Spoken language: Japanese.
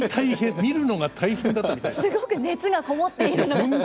見るのが大変だったみたいですよ。